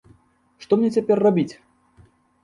Што мне цяпер рабіць?